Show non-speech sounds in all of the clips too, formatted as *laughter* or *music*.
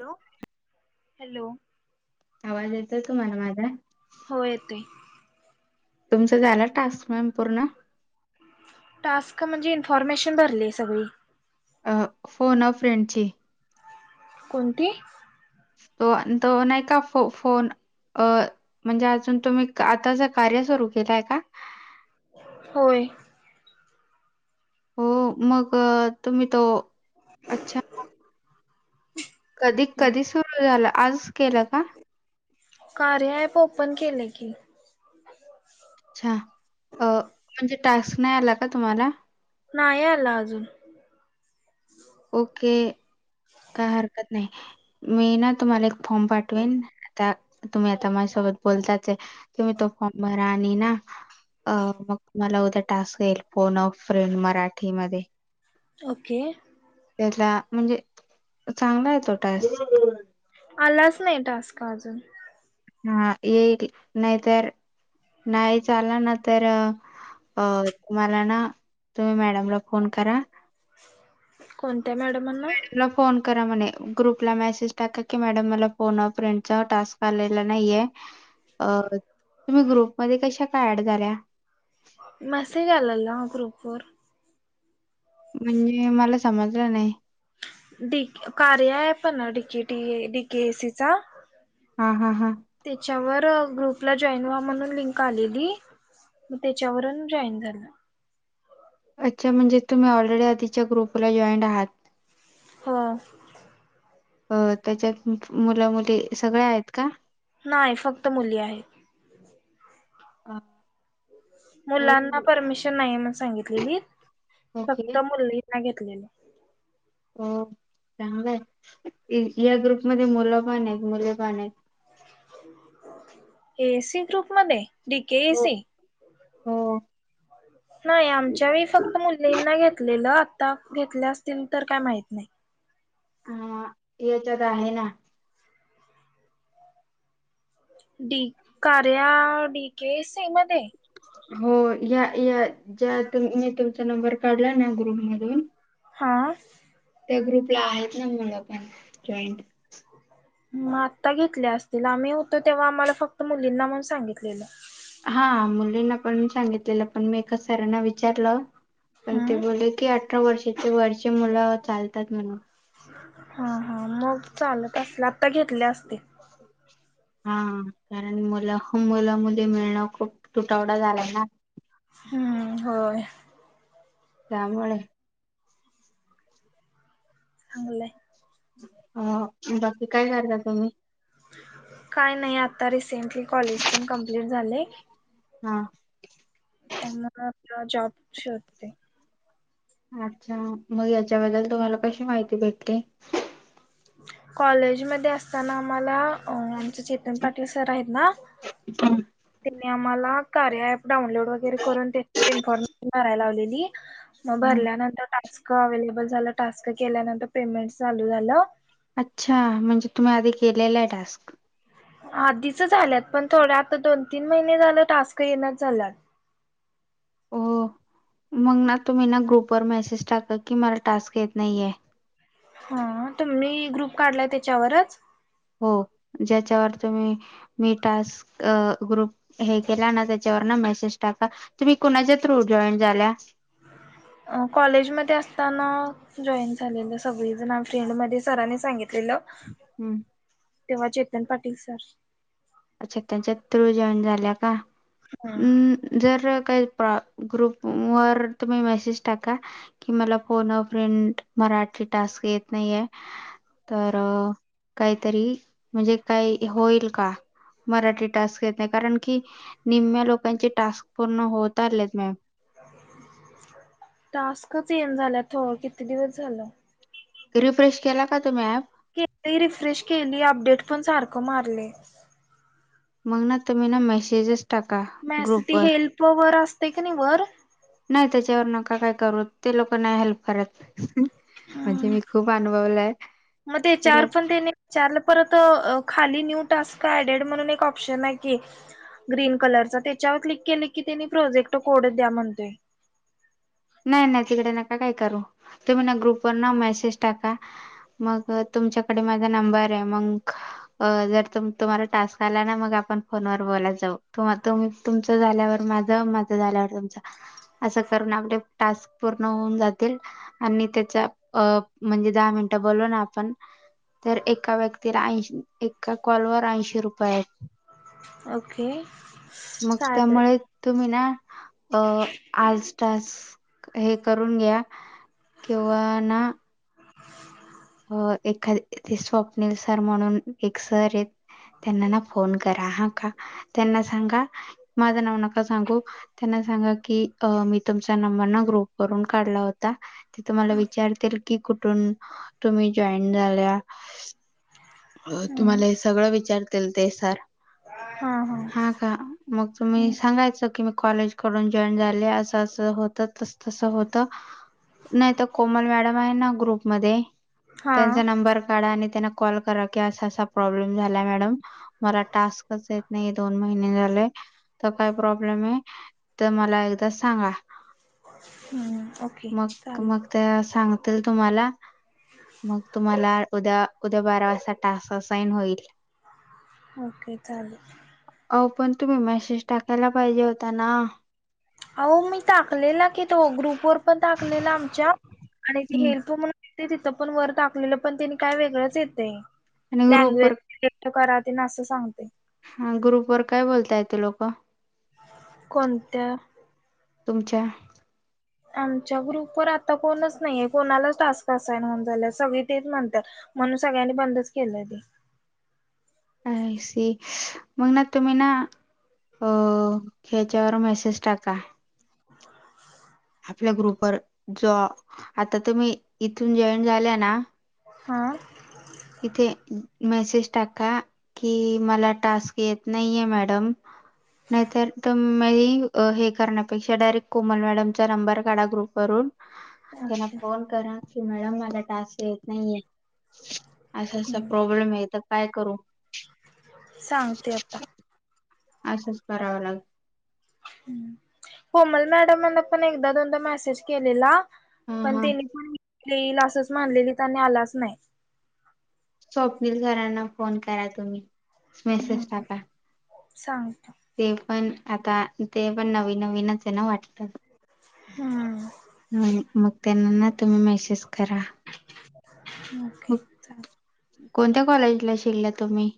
Hello hello. आज येत तुम्हाला माझा. हो येतोय. तुमचं झालं टास्क मॅम पूर्ण. टास्क म्हणजे इन्फॉर्मेशन भरली सगळी. अ फोन अ फ्रेंडची. कोणती? तो अन तो नाही का फ फोन अ म्हणजे अजून तुम्ही क आताच कार्य सुरू केलाय का होय. हो मग तुम्ही तो अच्छा कधी कधी सुरू झालं आजच केलं का? कार्याॲप ओपन केलय की अच्छा अ म्हणजे टास्क नाही आला का तुम्हाला नाही आला अजून. ओके काय हरकत नाही मी ना तुम्हाला एक फॉर्म पाठवेन आता तुम्ही आता माझ्यासोबत बोलताच आहे मी तो फाॅर्म भरा आणि ना अ मग मला उद्या टास्क येईल फोन अ फ्रेंड मराठीमध्ये. ओके. त्याला म्हणजे चांग आलाच नाही टास्क अजून. हा येईल नाहीतर नाही आला ना तर अ मला ना त मॅडमला फोन करा कोणत्या मॅडमांना. मला फोन करा म्हणे ग्रुपला मेसेज टाक की मॅडम मला फोन अ फ्रेंडचा टास्क आलेला नाहीये. अ तुम्ही ग्रुपमध्ये कशा काय ऍड झाल्या. मेसेज आलेला ग्रुपवर. म्हणजे मला समजलं नाही. डी कार्य आहे का नाहि डीकेटी हे डीकेसीचं हा हा हा तर ग्रुपला जॉईन व्हा म्हणून लिंक आलेली मग त्याच्यावरून जॉईन झालं. अच्छा म्हणजे तुम्ही ऑलरेडी आधीच्या ग्रुपला जॉईंट आहात. हो. अ त्याच्यात मुलं मुली सगळे आहेत का. नाही फक्त मुली आहेत. हा. मुलांना परमिशन नाहीये म्हणून सांगितलेली ओके फक्त मुलींना घेत कळेना. हो चांगलय ए सी या ग्रुपमध्ये मुलं पण आहेत मुली पण आहेत. ए सी ग्रुप मध्ये डी केे ए हो सी. हो. नाही आमच्या वेळी फक्त मुलींना घेतलेलं. आत्ता घेतल्या असतील तर काय माहीत नाही. हा येचात आहे ना डी कार्या डी के सी मध्ये हो या या ज्या ते. मी तुमचा नंबर काढला ना ग्रुपमधून हा. त्या ग्रुपला आहेत ना मुलं पण जॉईंट. मग आता घेतल्या असतील आम्ही होतो तेव्हा आम्हाला फक्त मुलींना म्हणून सांगितलेलं. हा मुलींना पण सांगितलेलं पण मी एका सरांना विचारलं. पण ते हम्म बोलले की अठरा वर्षाचे वरचे मुलं चालतात म्हणून. हा हा मग चालत असला आता घेतले असतील. हा कारण मुलं मुला मु मिळणं, खूप तुटवडा झालाय ना. हम्म होय. त्यामुळे. चांगलंय. ह बाकी काय करता तुम्ही. काय नाही आता रिसेंटली कॉलेज कमप्लीट झालय. हा. त्यामुळे आपला जॉब शोधते. अच्छा मग याच्याबद्दल तुम्हाला कशी माहिती भेटते. कॉलेजमध्ये असताना आम्हाला अ चेतन पाटील सर आहेत, ना त्यानी आम्हाला कार्य अँप. डाऊनलोड वगैरे करून, इन्फॉर्मेशन भरायला लावलेली, मग हम्म. भरल्यानंतर टास्क. अवेलेबल झालं टास्क केल्यानंतर पेमेंट चालू झालं. अच्छा म्हणजे तुम्ही, आधी केलेला आहे टास्क. आधीच झाल्यात पण थोड्या, आता दोन तीन महिने झाले टास्क येण झालात हो मग ना तुम्ही ना ग्रुपवर मेसेज टाका, की मला टास्क येत नाहीये हा तुमही ग्रुप काढलाय त्याच्यावरच हो ज्याच्यावर तुम्ही, मी टास्क ग्रुप हे केला ना त्याच्या सरना मेसेज टाका तुम्ही कोणाच्या थ्रो जॉईंड झाल्या अ कॉलेज मध्ये असताना जॉईन झालेलं, सगळीज फ्रेंड मध्ये सरांनी सांगित हम्म. तेव्हा चेतन पाटील सर अच्छा त्यांच्या थ्रु जॉईन झाल्या हम्म काम् जर ग्रुप वर तुम्ही मेसेज टाका की मला फोन अ फ्रेंड मराठी टास्क येत नाहीेये तर काहीतरी म्हणजे, काही होईल का मराठी टास्क घेत नाही, कारण की निम्म्या लोकांचे टास्क पूर्ण होत, आलेत मॅम टास्कच येन झाल्यात किती दिवस झालं रिफ्रेश केला का तुम्ही ॲप के रिफ्रेश केली अपडेट पण सारखं मारले मगना तुमी ना मेसेजेस टाका मॅस ग्रुप ती वर नई हेल्प वर असते का नाही वर त्याचे त्याच्यावर नका काय करू, ते लोक नाही हेल्प करत म्हणजे, हम्म मी खूप अनुभवलाय मग ते चवर पण ते नाही चारला परत खाली न्यू टास्क ऍड म्हणून एक ऑप्शन आहे की ग्रीन कलर त्याच्यावर क्लिक के की त्यांनी प्रोजेक्ट कोडत द्या म्हणतोय *inaudible* नाही, नाही तिकडे नका काय करू, तुम्ही ना ग्रुपवर ना मेसेज टाका मग तुमच्याकडे माझा नंबर हे, मग जर तुम्हाला टास्क आला, मग आपन फोन वर बोलू त तुमच झाल्यावर, माझ माझ झाल्यावर, तुमच असं करून आप टास्क पूर्ण होऊन जातील, आणि त्याच्या म्हणजे दहा मिनट बोलून आपण तर एका व्यक्तीला ऐंशी एका कॉलवर ऐंशी रुपये आहेत ओके मग चालेल त्यामुळे तुम्ही ना अ आजटास हे करून घ्या किंवा ना अ एखाद ते स्वप्नील सर म्हणून एक सर आहेत त्यांना ना फोन करा हा त्यांना सांगा माझं नाव नका सांगू, त्यांना सांगा की मी तुम नंबर ग्रुप करून काढला होता ते तुम्हाला विचारतील, कि कुठून तुम्ही जॉईन झाल्या हम्म तुम्हाला हे सगळं विचारतील ते सर हा का मग तुम्ही सांगायच की म कॉलेज कडून जॉईन झाले अस असं होत तस तसं होत नाही तर कोमल मॅडम आहे ना ग्रुपमध्ये हा त्यांचा नंबर काढा आणि त्यांना कॉल करा कि आसा अस प्रॉब्लेम झाला मॅडम मला टास्कच येत नाही दोन महिने झाले तर काय प्रॉब्लेम ए तर मला एकदा सांगा हम्म ओके मग चालेल मग त्या सांगत तुम्हाला मग तुम्हाला उद्या उद्या बारा वाजता त्या टास्क वर साइन होईल ओके चालेल आओ पण तुम्ही मेसेज टाकायला पाहिजे होता ना अह मी टाकलेला की तो ग्रुप वर पण टाकलेला आमच्या आणि त हम्म. हे तू म्हणून ते तिथं पण वर टाकलेलं पण तिने काय वेगळंच येतय आणि ग्रुपवर लँग्वेज क ते ना असं सांगते हा, ग्रुपवर काय बोलतायेत ते लोक? कोणत्या? तुमच्या. आमच्या ग्रुपवर आता कोणच नाहीये. कोणालाच टास्क असाइन होना झाल्यात, सगळी तेच म्हणत्यात. म्हणून सगळ्यांनी बंदच केलंय ते. *inaudible* आय सी, मगना तुम्ही ना अ ह्याच्यावर मेसेज टाका. आपल्या ग्रुपवर, जो आता तुमी इथून जॉईन झाल्या ना हा. इथे मेसेज टाका, की मला टास्क येत नाहीये मॅडम नाहीतर तुम म्ही हे करण्यापेक्षा डायरेक्ट कोमल मॅडमचा नंबर काढा ग्रुप वरून त्यांना फोन करा, की मॅडम मला टास्क येते नाहीयेत. असा असा प्रॉब्लेम आहे, तर काय करू? सांगते आता. असंच करावं लाग कोमल मॅडमांनापण एकदा दोनदा मेसेज केलेला हा पण हा तेनी पण येईल असंच म्हणलेलीत आणि आलाच नाय. स्वप्नील सरांना फोन करा तुम्ही. मेसेस टाका. सांगतो ते पण आता तेपण नवीन नवीनच त्यांना वाटतं हम्म. हम्म, मग त्यांना ना तुम्ही मेसेज करा. ओके. कोणत्या कॉलेजला शिकला तुम्ही?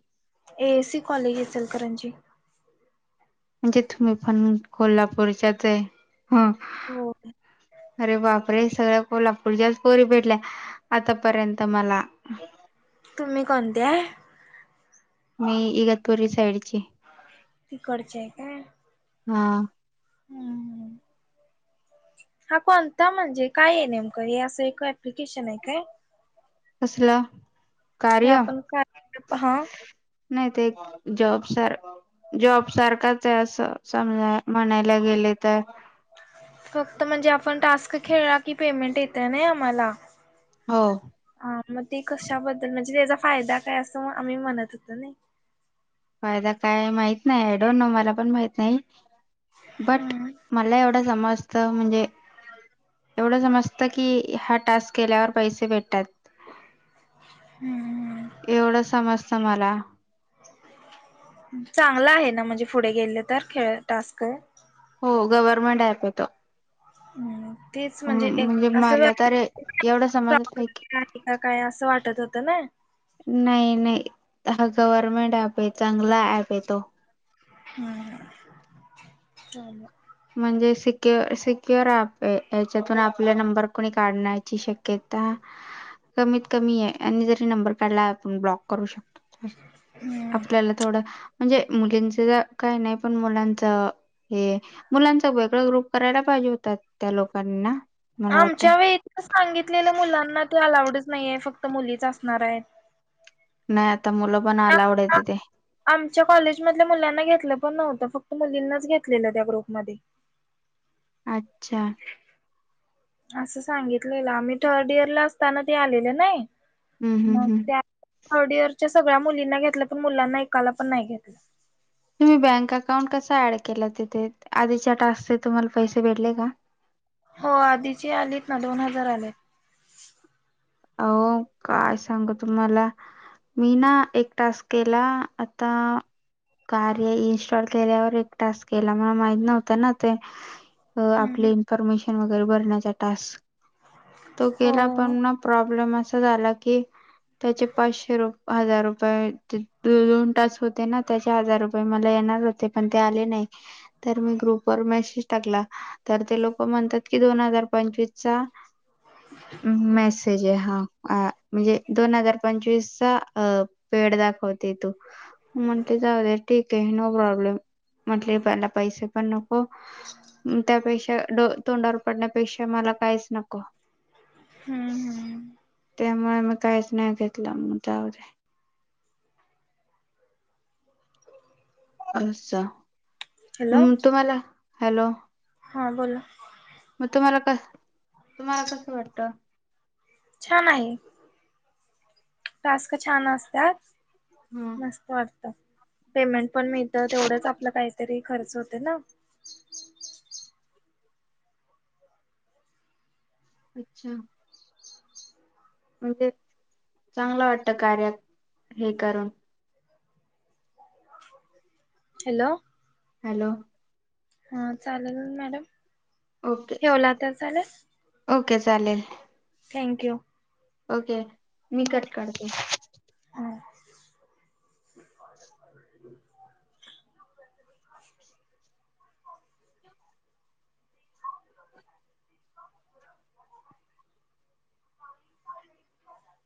SC college, Ichalkaranji. म्हणजे तुम्हीपण कोल्हापूरच्याच हाय? ह, हो. अरे बापरे सगळं कोल्हापूरच्याच पोरी भेटल्या, आतापर्यंत मला. तुम्ही कोणत्या हाय? मी इगतपुरी साईडची. तिकडचे हाय काय? हा. हम्म हा कोणता म्हणजे काय हे नेमकं, हे असं एक अप्लिकेशन हाय काय? कसलं, हे कार्य? आपण काय हा नाही, ते एक जॉब सार जॉब सारखाच आहे असं समजा, म्हणायला गेले तर. फक्त म्हणजे आपण टास्क खेळला, की पेमेंट येतंय नाय आम्हाला. हो हा, मग ते कशाबद्दल म्हणजे त्याचा फायदा काय? असं आम्ही म्हणत हुतो नाय. फायदा काय माहित नाही. आय डोन्ट नो, मलापण माहित नाही. बट हम्म मला एवढा समज तं म्हणजे एवढं समजतं, की हा टास्क केल्यावर पैसे भेटतात. हम्म. एवढं समजतं मला. चांगलं आहे ना, म्हणजे पुढे गेलं तर खेळ टास्क? हो गव्हर्नमेंट ऍप आहे तो. हम्म तेच हम्म एक म्हणजे असं वे मला तरे एवढं समजतंय की यात होत ना नाही नाही हा गव्हर्मेंट ऍप आहे चांगला ऍप आहे तो हम चाले म्हणजे सिक्यु सिक्युर हच्यातून आपला नंबर कोणी काढण्याची शक्य त कमीत कमी आहे आणि जरी नंबर कार्डला आपण ब्लॉक करू शकतो हम्म. आपल्याला थोडं म्हणजे मुलींच काही नाही पण मुलांच हे मुलांच वेगळं ग्रुप करायला पाहिजे होतात त्या लोकांना आमच्या वेळीत सांगितलेल्या मुलांना ते अलाउडच नाही आहे फक्त मुलीच असणार आहेत नाही आता मुलं पण अलाउड आहे तिथे आमच्या कॉलेज मधल्या मुलांना घेतलं पण नव्हतं फक्त मुलींनाच घेतलेलं त्या ग्रुपमध्ये अच्छा असं सांगितलेलं आमही थर्ड इयर ला असताना ते आलेलं नाय हम्म हम्म मग हम्म त्या आवडीवर च्या सगळ्या मुलींना घेतलं पण मुलांना ऐकायला पण नाही घेतलं तुम्ही बँक अकाउंट कसा ऍड केला तिथे आधीच्या टास्क चे तुम्हाला पैसे भेटले का हो आधीची आलीत ना दोन हजार आलेत हो काय सांगू तुम्हाला मी ना एक टास्क केला आता कार्य इन्स्टॉल केल्यावर एक टास्क केला मला माहीत नव्हत ना ते अ हम्म. आपले इन्फॉर्मेशन वगैरे भरण्याचा टास्क तो केला पण हो. ना प्रॉब्लेम असा झाला की त्याचे पाचशे र हजार रुपये दोन टास्क होते ना त्याचे हजार रुपये मला येणार होते पण ते आले नाही तर मी ग्रुपवर मेसेज टाकला तर ते लोक म्हणतात की दोन हजार पंचवीस चा मेस ज म्हणजे हा दोन हजार पंचवीसचा पिरेअड दाखवते तो म्हणते जाऊ ठीके आहे नो प्रॉब्लेम म्हटलेला पैसे पण नको को हो त्यापेक्षा तोंडावर पडण्यापेक्षा मला काहीच नको हम्म हम्म त्यामुळे मी काहीच नाही घेतलं मग जाऊदे *inaudible* अच्छा तुम्हाला हॅलो हां बोला मग तुम्हाला क तुम्हाला कसं वाटत छान आहे टास्क छान हा असतात मस्त वाटत पेमेंट पण मिळत तेवढंच आपला काहीतरी खर्च होते ना *inaudible* अच्छा म्हणजे चांगलं वाटत कार्यात हे करून हॅलो हॅलो हा चालेल मॅडम ओके ठेवला तर चालेल ओके चालेल थँक्यू ओके मी कट करते ह